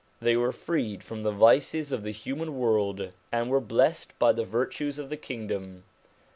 They were freed from the vices of the human world, and were blessed by the virtues of the Kingdom.